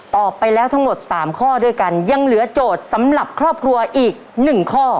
ไปแล้วทั้งหมด๓ข้อด้วยกันยังเหลือโจทย์สำหรับครอบครัวอีก๑ข้อ